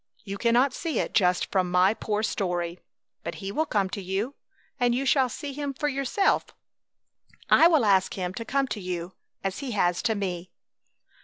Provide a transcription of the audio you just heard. You cannot see it just from my poor story. But He will come to you and you shall see Him for yourself! I will ask Him to come to you as He has to me!"